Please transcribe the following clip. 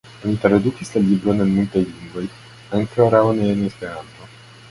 Oni tradukis la libron en multaj lingvoj, ankoraŭ ne en Esperanto.